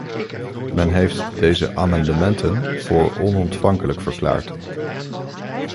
Men heeft deze amendementen voor onontvankelijk verklaard.